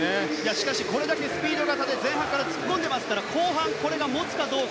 しかしこれだけスピード型で前半突っ込んでいますから後半、これが持つかどうか。